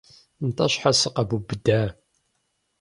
НтӀэ щхьэ сыкъэбубыда?